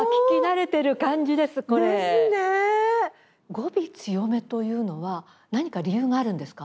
語尾強めというのは何か理由があるんですか？